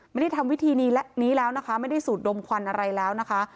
ไม่ได้ทำวิธีนี้แล้วนะคะไม่ได้สูดดมควันอะไรแล้วนะคะ